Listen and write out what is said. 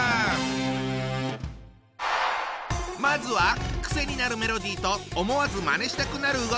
まずは癖になるメロディーと思わずまねしたくなる動き！